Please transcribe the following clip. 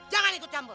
jangan itu campur